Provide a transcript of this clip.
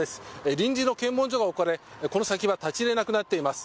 臨時の検問所が置かれこの先は立ち入れなくなっています。